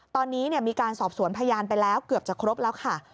ตอนนี้มีการสอบสวนพยานไปแล้วเกือบจะครบแล้วค่ะ